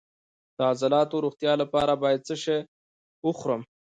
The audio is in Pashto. د عضلاتو د روغتیا لپاره باید څه شی وخورم؟